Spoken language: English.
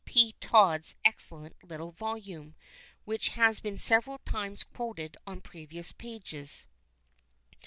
P. Todd's excellent little volume which has been several times quoted on previous pages.